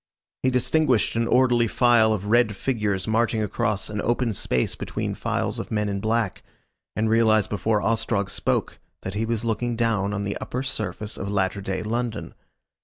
He distinguished an orderly file of red figures marching across an open space between files of men in black, and realised before Ostrog spoke that he was looking down on the upper surface of latter day London.